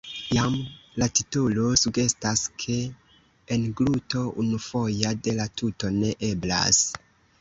Jam la titolo sugestas, ke engluto unufoja de la tuto ne eblas.